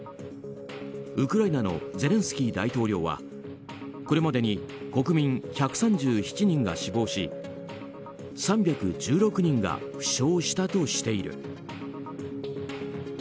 ウクライナのゼレンスキー大統領はこれまでに国民１３７人が死亡し３１６人が負傷したとしている。